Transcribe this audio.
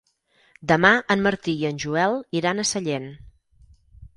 Demà en Martí i en Joel iran a Sallent.